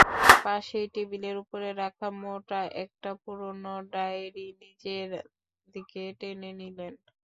পাশেই টেবিলের ওপর রাখা মোটা একটা পুরোনো ডায়েরি নিজের দিকে টেনে নিলেন।